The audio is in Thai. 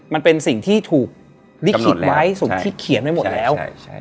มันเป็นสิ่งที่ถูกลิขิตไว้สมคิดเขียนไว้หมดแล้ว